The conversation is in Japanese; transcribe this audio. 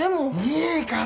いいから。